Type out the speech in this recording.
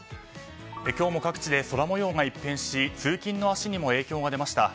今日も各地で空模様が一変し通勤の足にも影響が出ました。